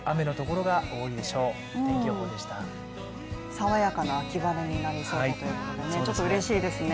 爽やかな秋晴れになりそうだということでちょっとうれしいですね。